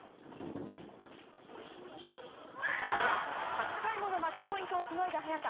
８回ものマッチポイントをしのいだ早田。